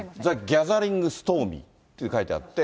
ギャザリング・ストーミーって書いてあって。